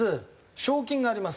賞金があります。